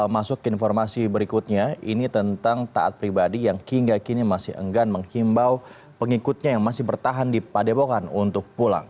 masuk ke informasi berikutnya ini tentang taat pribadi yang hingga kini masih enggan menghimbau pengikutnya yang masih bertahan di padepokan untuk pulang